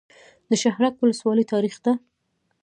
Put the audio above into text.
د شهرک ولسوالۍ تاریخي ده